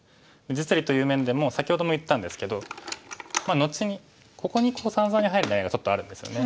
実利という面でも先ほども言ったんですけど後にここに三々に入る狙いがちょっとあるんですよね。